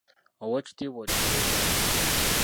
Oweekitiibwa otegeeza ki?